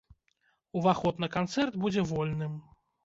Уваход на канцэрт будзе вольным.